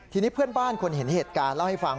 ทีนี้เพื่อนบ้านคนเห็นเหตุการณ์เล่าให้ฟัง